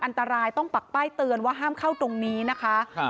อันตรายต้องปักป้ายเตือนว่าห้ามเข้าตรงนี้นะคะ